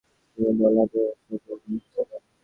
তিনি বল হাতে সফলকাম হয়েছিলেন।